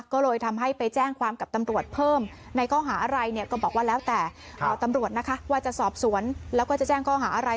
ก็เลยทำให้ไปแจ้งความกับตำรวจเพิ่มในข้อหาอะไรเนี่ยก็บอกว่าแล้วแต่ตำรวจนะคะว่าจะสอบสวนแล้วก็จะแจ้งข้อหาอะไร